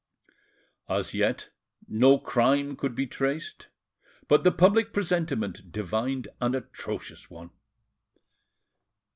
As yet, no crime could be traced, but the public presentiment divined an atrocious one.